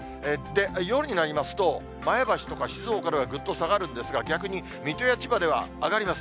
夜になりますと、前橋とか静岡ではぐっと下がるんですが、逆に水戸や千葉では上がります。